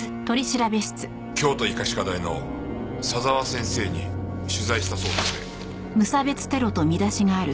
京都医科歯科大の佐沢先生に取材したそうですね？